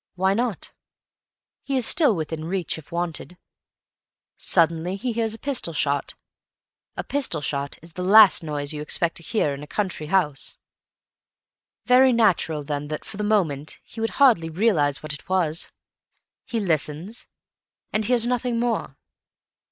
Why not? He is still within reach, if wanted. Suddenly he hears a pistol shot. A pistol shot is the last noise you expect to hear in a country house; very natural, then, that for the moment he would hardly realize what it was. He listens—and hears nothing more.